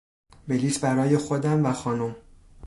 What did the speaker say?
بلیط برای خودم و خانم